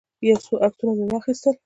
یو څو عکسونه مې واخیستل.